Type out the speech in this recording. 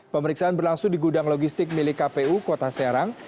pemeriksaan berlangsung di gudang logistik milik kpu kota serang